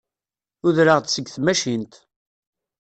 Udreɣ-d seg tmacint.